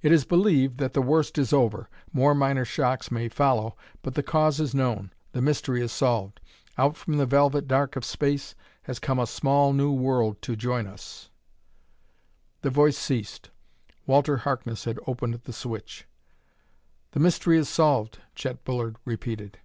"It is believed that the worst is over. More minor shocks may follow, but the cause is known; the mystery is solved. Out from the velvet dark of space has come a small, new world to join us " The voice ceased. Walter Harkness had opened the switch. "The mystery is solved," Chet Bullard repeated.